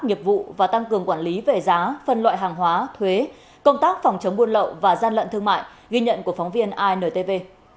nghiệp vụ và tăng cường quản lý về giá phân loại hàng hóa thuế công tác phòng chống buôn lậu và gian lận thương mại ghi nhận của phóng viên intv